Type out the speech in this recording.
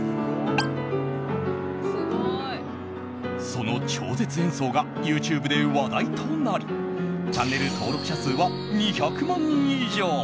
その超絶演奏がＹｏｕＴｕｂｅで話題となりチャンネル登録者数は２００万人以上。